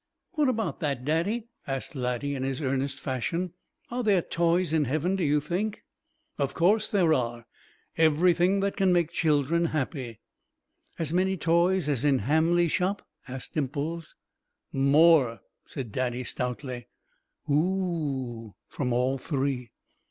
"What about that, Daddy?" asked Laddie, in his earnest fashion. "Are there toys in heaven, do you think?" "Of course there are. Everything that can make children happy." "As many toys as in Hamley's shop?" asked Dimples. "More," said Daddy, stoutly. "Oo!" from all three.